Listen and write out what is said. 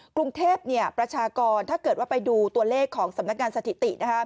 กรุงเทพประชากรถ้าเกิดว่าไปดูตัวเลขของสำนักงานสถิตินะครับ